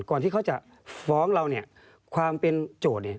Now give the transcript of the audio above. ก่อนที่เขาจะฟ้องเราเนี่ยความเป็นโจทย์เนี่ย